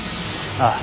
ああ。